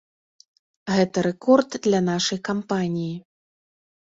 Гэта рэкорд для нашай кампаніі.